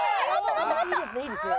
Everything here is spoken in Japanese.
いいですねいいですね。